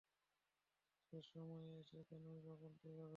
শেষ সময়ে এসে কেনই বা বলতে যাবে?